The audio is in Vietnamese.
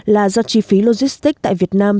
là do chi phí logistic tại việt nam